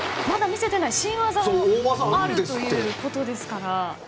まだ見せていない新技もあるということですから。